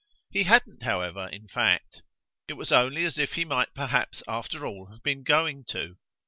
He hadn't, however, in fact; it was only as if he might perhaps after all have been going to.